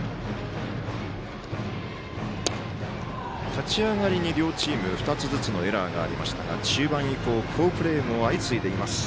立ち上がりに両チームエラーがありましたが中盤以降好プレーも相次いでいます。